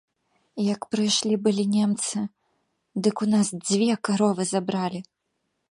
Як прыйшлі былі немцы, дык у нас дзве каровы забралі.